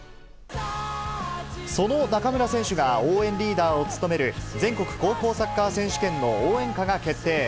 その中村選手が、応援リーダーを務める全国高校サッカー選手権の応援歌が決定。